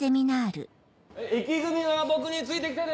駅組は僕について来てね！